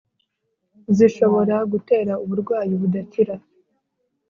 zishobora gutera uburwayi budakira